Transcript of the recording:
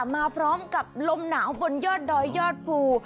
มาพร้อมกับลมหนาวบนยอดดอยยอดภู